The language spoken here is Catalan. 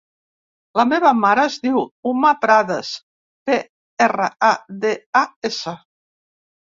La meva mare es diu Uma Pradas: pe, erra, a, de, a, essa.